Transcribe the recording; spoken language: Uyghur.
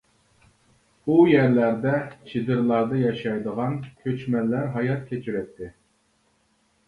ئۇ يەرلەردە چېدىرلاردا ياشايدىغان كۆچمەنلەر ھايات كۆچۈرەتتى.